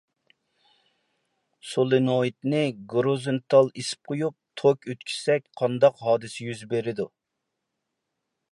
سولېنوئىدنى گورىزونتال ئېسىپ قويۇپ توك ئۆتكۈزسەك قانداق ھادىسە يۈز بېرىدۇ؟